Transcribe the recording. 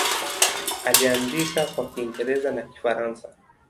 Aliandika kwa Kiingereza na Kifaransa.